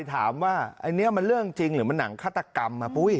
ถามว่าอันนี้มันเรื่องจริงหรือมันหนังฆาตกรรมอ่ะปุ้ย